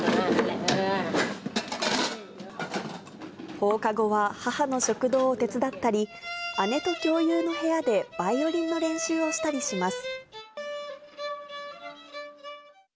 放課後は母の食堂を手伝ったり、姉と共有の部屋でバイオリンの練習をしたりします。